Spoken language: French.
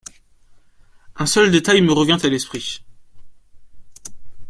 Un seul détail me revient à l’esprit.